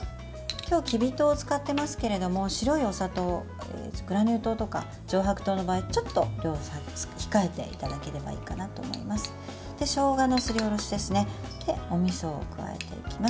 今日はきび糖を使ってますけれども白いお砂糖グラニュー糖とか上白糖の場合ちょっと量を控えていただければいいかなと思います。